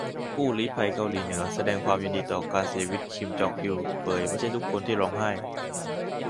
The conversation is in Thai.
ผู้ลี้ภัย"เกาหลีเหนือ"แสดงความยินดีต่อการเสียชีวิต"คิม จอง อิล" เผย"ไม่ใช่ทุกคนที่ร้องไห้"